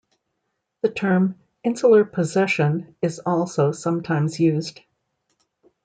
The term insular possession is also sometimes used.